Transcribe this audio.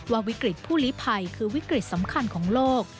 วิกฤตผู้ลิภัยคือวิกฤตสำคัญของโลก